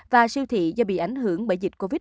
và siêu thị do bị ảnh hưởng bởi dịch covid một mươi